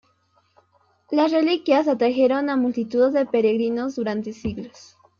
Las reliquias atrajeron a multitud de peregrinos durante siglos.